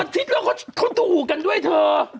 ทิศแล้วเขาดูกันด้วยเธอ